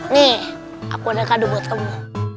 nih aku ada kaduh buat kamu